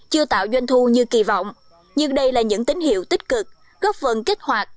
chưa tạo doanh thu như kỳ vọng nhưng đây là những tín hiệu tích cực góp phần kích hoạt